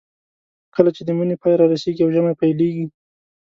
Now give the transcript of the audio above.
کله چې د مني پای رارسېږي او ژمی پیلېږي.